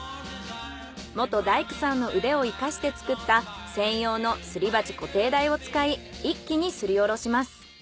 元大工さんの腕を生かして作った専用のすり鉢固定台を使い一気にすりおろします。